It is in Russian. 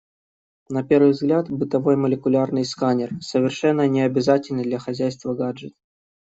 На первый взгляд, бытовой молекулярный сканер — совершенно не обязательный для хозяйства гаджет.